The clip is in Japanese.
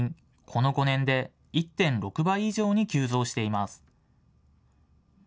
この５年で１．６倍以上に急増しています。